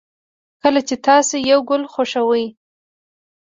کله چې تاسو یو گل خوښوئ